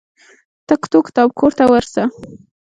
تکتو کتاب کور ته ورسه.